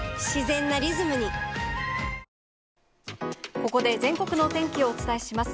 ここで全国のお天気をお伝えします。